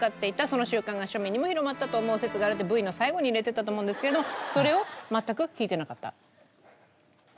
その習慣が庶民にも広まったと思う説があるってＶの最後に入れてたと思うんですけれどそれを。